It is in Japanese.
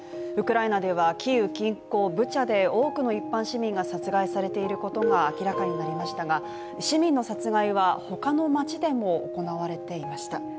ウクライナではキーウ近郊ブチャで多くの一般市民が殺害されていることが明らかになりましたが、市民の殺害は他の街でも行われていました。